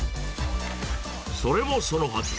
それもそのはず。